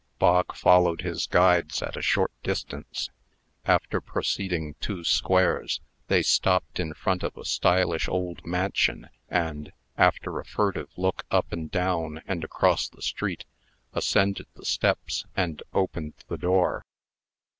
Bog followed his guides at a short distance. After proceeding two squares, they stopped in front of a stylish old mansion, and, after a furtive look up and down and across the street, ascended the steps, and opened the door.